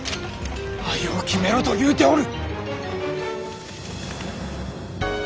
早う決めろと言うておる！